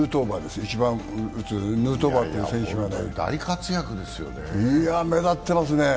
ヌートバーという選手が、目立ってますね。